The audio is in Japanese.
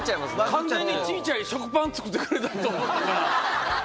完全に小っちゃい食パン作ってくれたと思ったから。